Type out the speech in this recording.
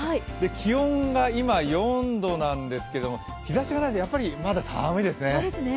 気温が今４度なんですけども日ざしがないと、まだ寒いですね。